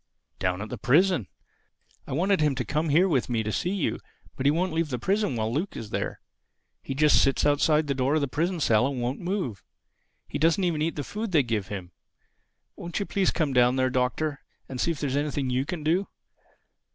"Down at the prison. I wanted him to come with me here to see you; but he won't leave the prison while Luke is there. He just sits outside the door of the prison cell and won't move. He doesn't even eat the food they give him. Won't you please come down there, Doctor, and see if there is anything you can do?